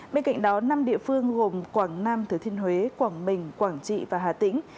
bên cạnh đó năm địa phương gồm quảng nam thứ thiên huế quảng bình quảng trị và hà tĩnh